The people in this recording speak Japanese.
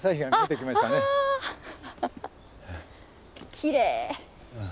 きれい。